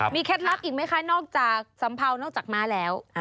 มีแค้นลาบอีกไหมคะนอกจากสัมเภานอกจากมาร์บแล้ว